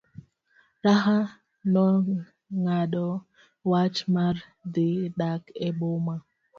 Raha nong'ado wach mar dhi dak e boma.